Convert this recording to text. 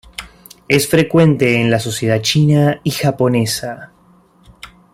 Es frecuente en la sociedad china y japonesa.